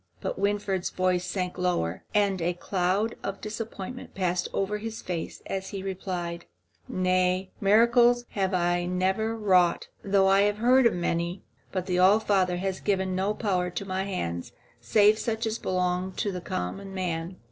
But Winfried's voice sank lower and a cloud of disappointment passed over his face as he replied: "Nay, miracles have I never wrought, though I have heard of many; but the All Father has given no power to my hands save such as belongs to common man."